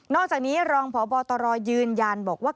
อกจากนี้รองพบตรยืนยันบอกว่า